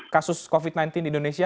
kasus covid sembilan belas di indonesia